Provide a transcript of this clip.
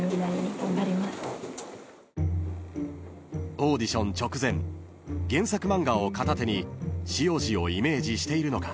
［オーディション直前原作漫画を片手に汐路をイメージしているのか？